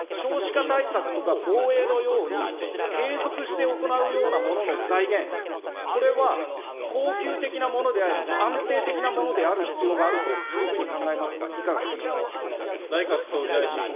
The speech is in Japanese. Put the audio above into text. そこでなんですが、総理、少子化対策とか防衛のように、継続して行うようなものの財源、これは恒久的なものであり、安定的なものである必要があるというふうに考えますが、いかがですか。